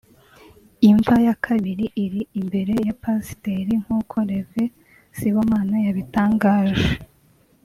Imva ya kabiri iri imbere y’abapasiteri nk’uko Rev Sibomana yabitangaje